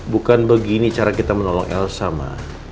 bukan begini cara kita menolong elsa ma